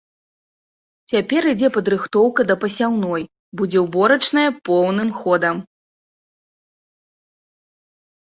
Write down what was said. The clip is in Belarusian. Цяпер ідзе падрыхтоўка да пасяўной, будзе ўборачная поўным ходам.